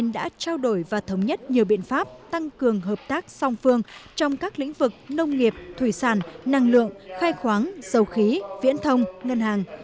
đã trao đổi và thống nhất nhiều biện pháp tăng cường hợp tác song phương trong các lĩnh vực nông nghiệp thủy sản năng lượng khai khoáng dầu khí viễn thông ngân hàng